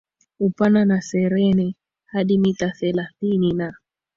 upana na serene hadi mita thelathini na